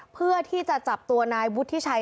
เพื่อที่จะจับตัวนายวุฒิชัย